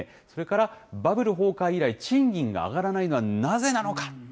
それからバブル崩壊以来、賃金が上がらないのはなぜなのか。